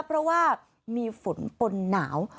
เพราะว่ามีฝนปนหนาว